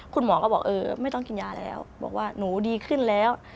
คุณหมอก็บอกเออไม่ต้องกินยาแล้วบอกว่าหนูดีขึ้นแล้ว